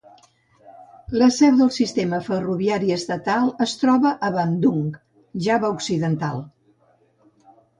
La seu de sistema ferroviari estatal es troba a Bandung, Java Occidental.